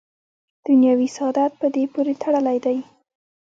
دنیوي سعادت په دې پورې تړلی دی.